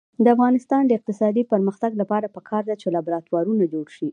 د افغانستان د اقتصادي پرمختګ لپاره پکار ده چې لابراتوارونه جوړ شي.